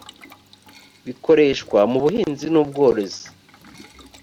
bikoreshwa mu buhinzi n’ubworozi